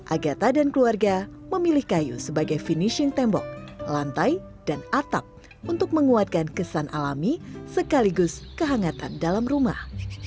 agatha dan keluarga memilih kayu sebagai finishing tembok lantai dan atap untuk menguatkan kesan alami sekaligus kehangatan dalam rumah